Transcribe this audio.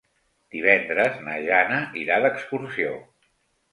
Divendres na Jana irà d'excursió.